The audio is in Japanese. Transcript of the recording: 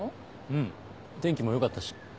うん天気も良かったし。